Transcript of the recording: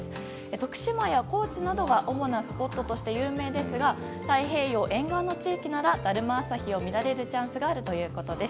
徳島や高知などが主なスポットとして有名ですが太平洋沿岸の地域ならだるま朝日を見られるチャンスがあるということです。